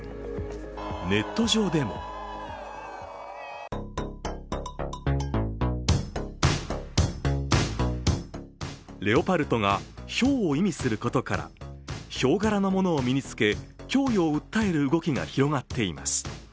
ネット上でもレオパルトがヒョウを意味することからヒョウ柄のものを身につけ、供与を訴える動きが広がっています。